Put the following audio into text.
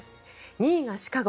２位が「シカゴ」